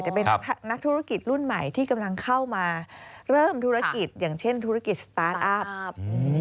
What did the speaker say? จะเป็นนักธุรกิจรุ่นใหม่ที่กำลังเข้ามาเริ่มธุรกิจอย่างเช่นธุรกิจสตาร์ทอัพ